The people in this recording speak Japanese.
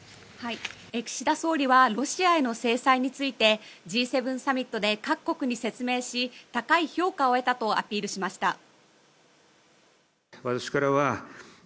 岸田総理はロシアへの制裁についてＧ７サミットで各国に説明し高い評価を得たとアピールしました。